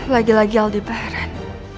lagi lagi aldi beran